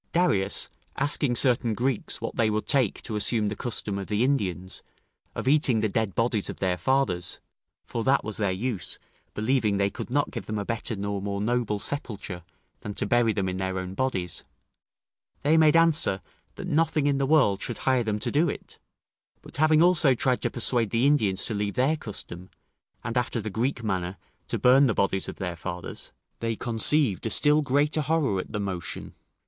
Darius asking certain Greeks what they would take to assume the custom of the Indians, of eating the dead bodies of their fathers (for that was their use, believing they could not give them a better nor more noble sepulture than to bury them in their own bodies), they made answer, that nothing in the world should hire them to do it; but having also tried to persuade the Indians to leave their custom, and, after the Greek manner, to burn the bodies of their fathers, they conceived a still greater horror at the motion.